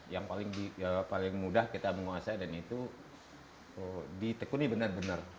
yang paling mudah kita menguasai dan itu ditekuni benar benar